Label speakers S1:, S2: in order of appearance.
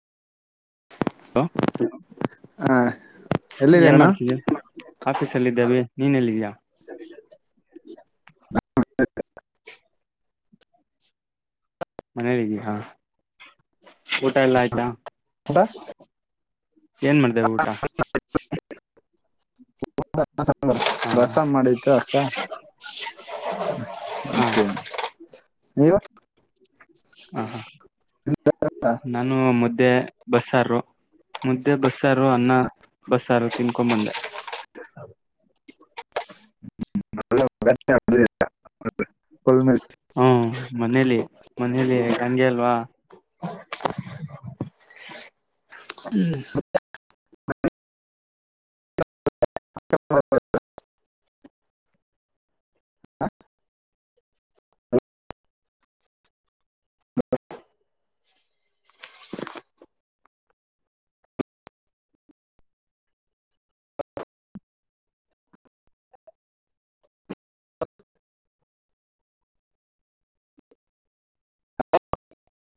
S1: Hello
S2: ಹಾ
S1: ಏನ
S2: ಎಲ್ಲಿದ್ದೀರ ಅಣ್ಣ
S1: ಮಾಡ್ತೀದಿಯಾ ಆಫೀಸಲ್ಲಿ ಇದೆವೆ ನೀನ ಎಲ್ಲಿದೀಯಾ.
S2: ತರ್ತೀಟೊ.
S1: ಮನೆಲಿದಿಯಾ ಊಟಾ ಎಲ್ಲಾ ಆಯ್ತಾ.
S2: ಊಟಾ
S1: ಏನ ಮಾಡ್ದೆ ಊಟಾ.
S2: ತಾಲೀಪಟ್ಟಿ. ಅನ್ನಾ ಸಾರು
S1: ಹಾ
S2: ರಸಂ ಮಾಡಿತು ಅಕ್ಕಾ.
S1: ಹಾ
S2: ಮತ್ತೆ ನೀವು.
S1: ಹಾ ಹಾ ನಾನು ಮದ್ದೆ. ಬಸ್ಸಾರು ಮುದ್ದೆ ಬಸ್ಸಾರು ಅನ್ನಾ ಬಸ್ಸಾರು ತಿನ್ಕೊ ಬಂದೆ.
S2: ಹೆಂತಾದು
S1: ಟಕ್
S2: ಮಾದೇವ ಬೆಟ್ಟ ಅಪ್ಪದೆ.
S1: ಹು ಮನೇಲಿ ಮನೇಲಿ ಹಂಗೆ ಅಲ್ವಾ.
S2: ಹು